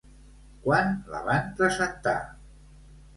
Quan la van presentar?